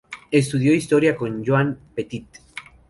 Estudió historia con Joan Petit.